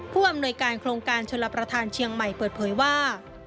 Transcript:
ผู้อำนวยการโครงการชลประธานเชียงใหม่เปิดเผยว่า